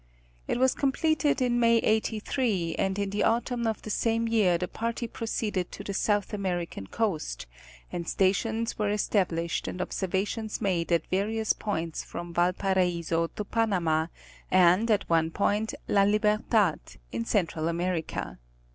It was completed in May '83, and in the Autumn of the same year the party proceeded to the South American coast, and stations were established and observations made at various points from Valparaiso to Panama, and at one point, La Libertad, in Central America.